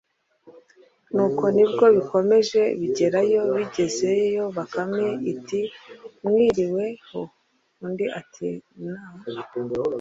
nuko ni bwo bikomeje, bigerayo, bigeze yo bakame iti: ‘mwiriwe ho, undi ati: ‘nn.’